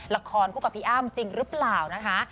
ละครคู่กับพี่อ้ำจริงหรือเปล่านะคะ